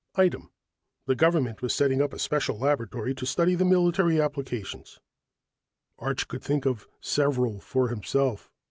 Item: the government was setting up a special laboratory to study the military applications. Arch could think of several for himself.